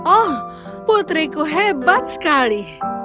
oh putriku hebat sekali